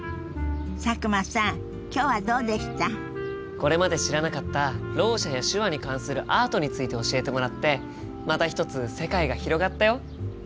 これまで知らなかったろう者や手話に関するアートについて教えてもらってまた一つ世界が広がったよ。